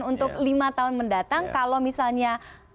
untuk lima tahun mendatang kalau misalnya